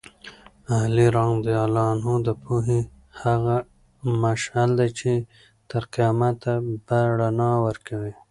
علي رض د پوهې هغه مشعل دی چې تر قیامته به رڼا ورکوي.